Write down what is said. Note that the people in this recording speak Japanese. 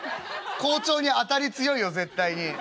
校長に当たり強いよ絶対に」。